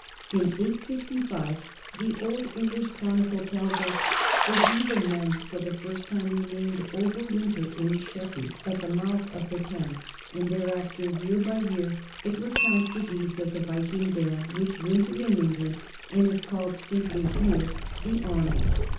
In 855 the Old English Chronicle tells us "the heathen men, for the first time, remained over winter in Sheppey," at the mouth of the Thames, and thereafter, year by year, it recounts the deeds of the Viking band which wintered in England and is called simply here, the army.